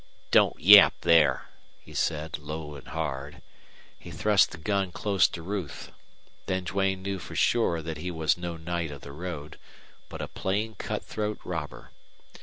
"Don't yap, there!" he said, low and hard. He thrust the gun close to Ruth. Then Duane knew for sure that he was no knight of the road, but a plain cutthroat robber.